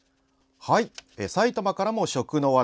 埼玉からも食の話題。